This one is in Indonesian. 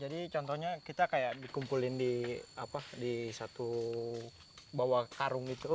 jadi contohnya kita kayak dikumpulin di satu bawah karung gitu